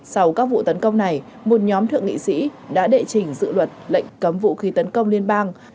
sau các vụ tấn công này một nhóm thượng nghị sĩ đã đệ chỉnh dự luật lệnh cấm vụ khi tấn công liên bang